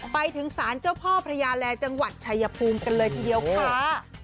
ไปถึงสารเจ้าพ่อพระยาแลจังหวัดชายภูมิกันเลยทีเดียวค่ะ